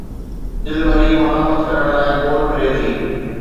دل وري ملامت ڪرڻ لاءِ گول ڦري ٿي